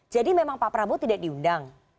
jadi memang pak prabowo tidak diundang